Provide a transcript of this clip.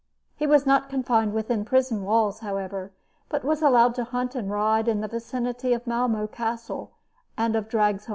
He was not confined within prison walls, however, but was allowed to hunt and ride in the vicinity of Malmo Castle and of Dragsholm.